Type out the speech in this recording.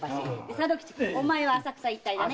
佐渡吉お前は浅草一帯だね。